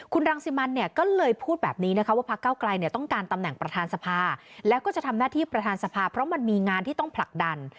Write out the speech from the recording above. คุณรังสิมันเนี่ยก็เลยพูดแบบนี้นะคะว่าพักเก้าไกลเนี่ยต้องการตำแหน่งประธานสภาแล้วก็จะทำหน้าที่ประธานสภาเพราะมันมีงานที่ต้องผลักดัน